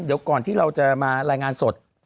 เดี๋ยวก่อนที่เราจะมารายงานสด